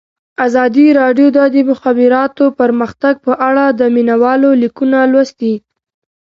ازادي راډیو د د مخابراتو پرمختګ په اړه د مینه والو لیکونه لوستي.